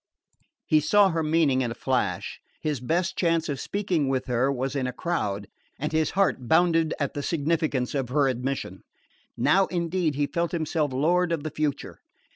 He saw her meaning in a flash: his best chance of speaking with her was in a crowd, and his heart bounded at the significance of her admission. Now indeed he felt himself lord of the future.